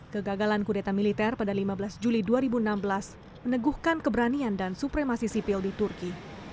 kegagalan kudeta militer pada lima belas juli dua ribu enam belas meneguhkan keberanian dan supremasi sipil di turki